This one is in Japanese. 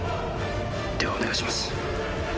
ではお願いします。